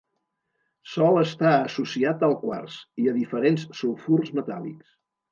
Sol estar associat al quars i a diferents sulfurs metàl·lics.